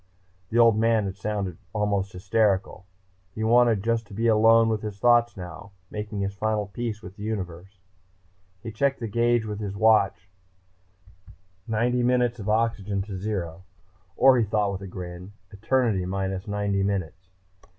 The Old Man had sounded almost hysterical. He wanted just to be alone with his thoughts now, making his final peace with the universe.... He checked the gauge with his watch ninety minutes of oxygen to zero. Or, he thought with a grin, eternity minus ninety minutes.